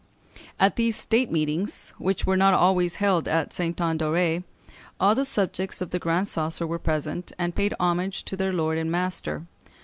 At these state meetings, which were not always held at Sainte Anne d'Auray, all the subjects of the Grand Coesre were present, and paid homage to their lord and master.